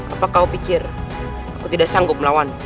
apa kau pikir aku tidak sanggup melawan